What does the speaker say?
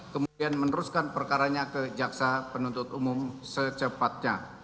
kemudian meneruskan perkaranya ke jaksa penuntut umum secepatnya